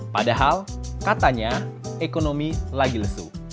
padahal katanya ekonomi lagi lesu